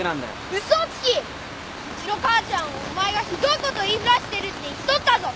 ウチの母ちゃんはお前がひどいこと言いふらしてるって言っとったぞ。